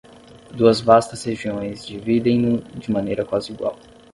Duas vastas regiões dividem-no de maneira quase igual.